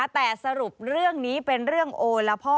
แต่สรุปเรื่องนี้เป็นเรื่องโอละพ่อ